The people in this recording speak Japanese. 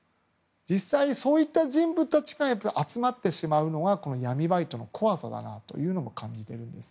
実際、そういった人物たちが集まってしまうのがこの闇バイトの怖さだなと感じているんです。